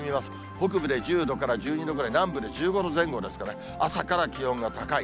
北部で１０度から１２度、南部で１５度前後ですから、朝から気温が高い。